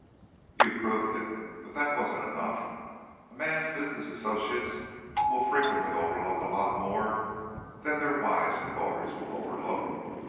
"You proved it. But that wasn't enough. A man's business associates will frequently overlook a lot more than their wives and daughters will overlook.